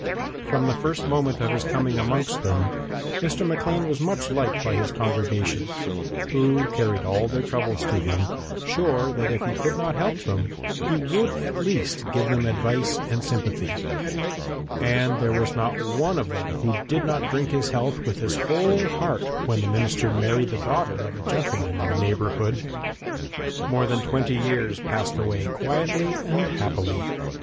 From the first moment of his coming amongst them Mr. Maclean was much liked by his congregation, who carried all their troubles to him, sure that if he could not help them, he would at least give them advice and sympathy, and there was not one of them who did not drink his health with his whole heart when the minister married the daughter of a gentleman in the neighbourhood. More than twenty years passed away quietly and happily.